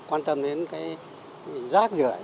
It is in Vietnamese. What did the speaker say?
quan tâm đến cái rác rửa